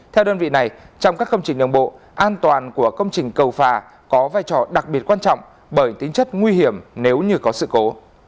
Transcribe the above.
theo đơn vị này trong các công trình đường bộ an toàn của công trình cầu phà có vai trò đặc biệt quan trọng bởi tính chất nguy hiểm nếu như có sự cố